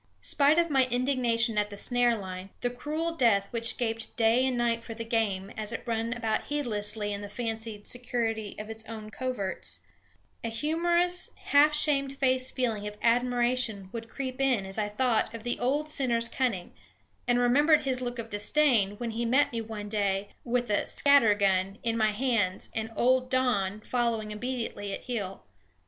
Spite of my indignation at the snare line, the cruel death which gaped day and night for the game as it ran about heedlessly in the fancied security of its own coverts, a humorous, half shame faced feeling of admiration would creep in as I thought of the old sinner's cunning, and remembered his look of disdain when he met me one day, with a "scatter gun" in my hands and old Don following obediently at heel.